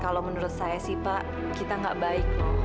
kalau menurut saya sih pak kita gak baik